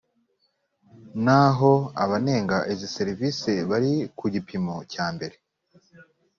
naho abanenga izi serivisi bari ku gipimo cyambere